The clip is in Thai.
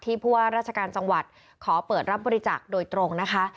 ผู้ว่าราชการจังหวัดขอเปิดรับบริจาคโดยตรงนะคะ